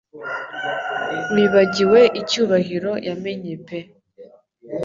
Wibagiwe icyubahiro yamenye pe